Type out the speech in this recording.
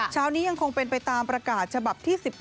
เช้านี้ยังคงเป็นไปตามประกาศฉบับที่๑๘